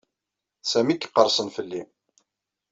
D Sami ay iqersen fell-i.